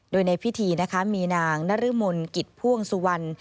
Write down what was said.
โดยในพิธีนะคะมีนางนรมนกิจพ่วงสุวรรณ